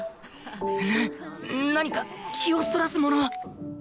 な何か気をそらすもの